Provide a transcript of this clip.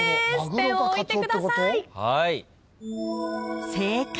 ペンを置いてください。